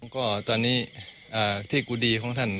ก็ตอนนี้ที่กุดีของท่าน